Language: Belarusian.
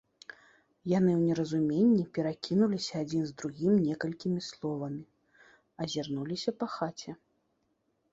Яны ў неразуменні перакінуліся адзін з другім некалькімі словамі, азірнуліся па хаце.